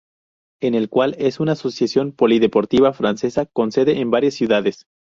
El cual es una asociación polideportiva francesa con sede en varias ciudades.